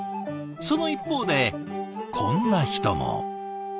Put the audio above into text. その一方でこんな人も。